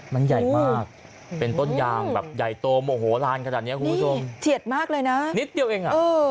มันใหญ่มากเป็นต้นยางแบบใหญ่โตมโหลานขนาดนี้ครูทรง